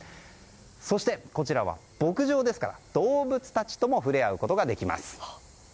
そして、こちらは牧場ですから動物たちとも触れ合うことができます。